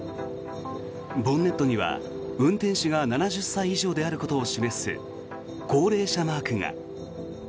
ボンネットには、運転手が７０歳以上であることを示す高齢者マークが。